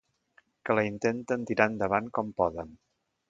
Que la intenten tirar endavant com poden.